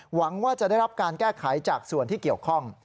หวังว่าจะได้รับการแก้ไขจากส่วนที่เกี่ยวข้อง